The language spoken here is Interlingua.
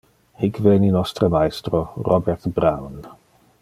Hic veni nostre maestro, Robert Brown.